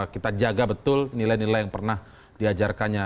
kita jaga betul nilai nilai yang pernah diajarkannya